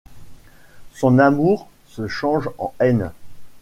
Son amour se change en haine.